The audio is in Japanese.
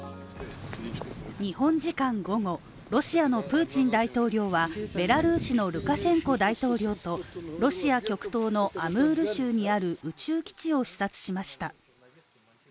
日本時間午後、ロシアのプーチン大統領はベラルーシのルカシェンコ大統領とロシア極東のアムール州にある宇宙基地を視察しました。